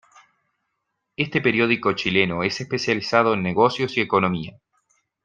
Este periódico chileno es especializado en negocios y economía.